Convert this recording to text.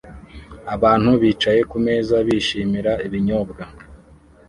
Abantu bicaye kumeza bishimira ibinyobwa